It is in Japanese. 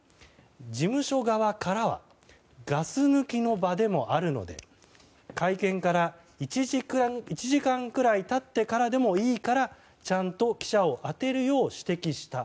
事務所側からはガス抜きの場でもあるので会見から１時間くらい経ってからでもいいからちゃんと記者を当てるよう指摘した。